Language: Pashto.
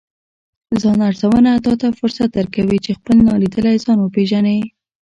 ځان ارزونه تاته فرصت درکوي، چې خپل نالیدلی ځان وپیژنې